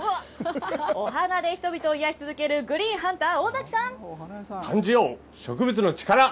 お花で人々を癒やし続けるグリーンハンター、感じよう、植物の力。